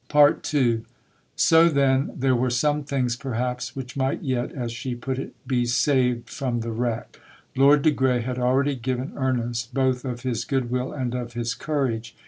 II So, then, there were some things perhaps which might yet, as she put it, be "saved from the wreck." Lord de Grey had already given earnest both of his good will and of his courage.